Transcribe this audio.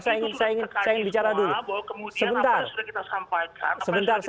punya pertimbangan untuk kemudian